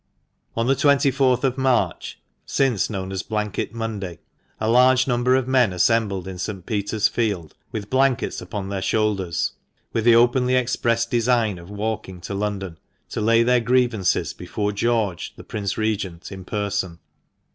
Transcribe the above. On the 24th of March — since known as Blanket Monday — a large number of men assembled in St. Peter's Field, with blankets upon their shoulders, with the openly expressed design of walking to London, to lay their grievances before George, the Prince Regent, in person.